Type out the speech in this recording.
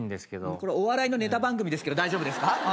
これお笑いのネタ番組ですけど大丈夫ですか！？